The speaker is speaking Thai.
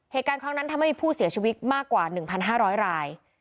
เหตุการณ์ครั้งนั้นทำให้มีผู้เสียชีวิตมากกว่า๑๕๐๐ราย